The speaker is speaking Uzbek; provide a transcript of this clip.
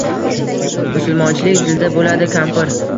Musulmonchilik... dilda bo‘ladi, kampir.